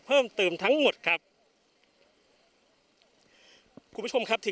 พร้อมด้วยผลตำรวจเอกนรัฐสวิตนันอธิบดีกรมราชทัน